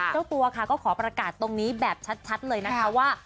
เจ้าตัวค่ะก็ขอประกาศตรงนี้แบบชัดเลยนะคะว่า